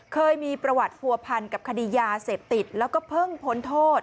เคยมีประวัติผัวพันกับคดียาเสพติดแล้วก็เพิ่งพ้นโทษ